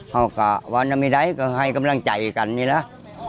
เขาก็วันนั้นไม่ได้ก็ให้กำลังใจกันนี่แหละ